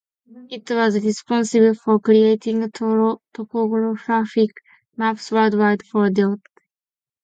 It was responsible for creating topographic maps worldwide for DoD.